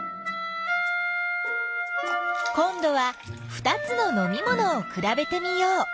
こんどは２つののみものをくらべてみよう。